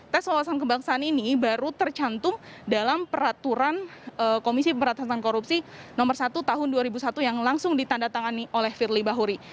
tes wawasan kebangsaan ini baru tercantum dalam peraturan komisi pembatasan korupsi nomor satu tahun dua ribu satu yang langsung ditandatangani oleh firly bahuri